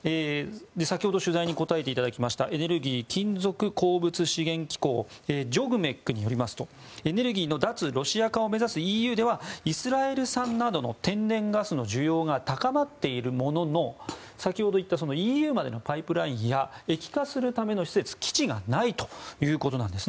先ほど取材に答えていただきましたエネルギー・金属鉱物資源機構＝ＪＯＧＭＥＣによりますとエネルギーの脱ロシア化を目指すＥＵではイスラエル産などの天然ガスの需要が高まっているものの先ほど言ったＥＵまでのパイプラインや液化するための施設基地がないということなんです。